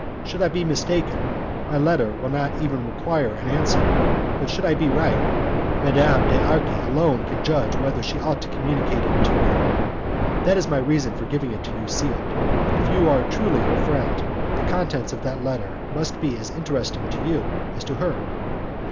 Should I be mistaken, my letter will not even require an answer, but should I be right, Madame d'Arci alone can judge whether she ought to communicate it to you. That is my reason for giving it to you sealed. If you are truly her friend, the contents of that letter must be as interesting to you as to her.